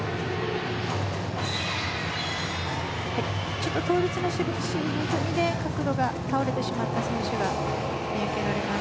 ちょっと倒立の沈み込みで角度が倒れてしまった選手が見受けられます。